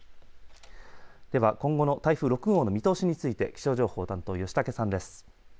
では、今後の台風６号の見通しについて気象情報担当、吉竹さんです。